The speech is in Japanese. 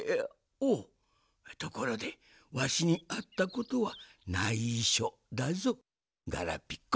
おっところでわしにあったことはないしょだぞガラピコ。